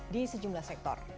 di sejumlah sektor